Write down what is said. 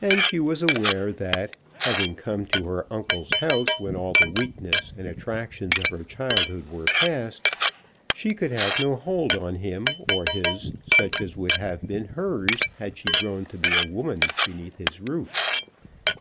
And she was aware that having come to her uncle's house when all the weakness and attractions of her childhood were passed, she could have no hold on him or his such as would have been hers had she grown to be a woman beneath his roof.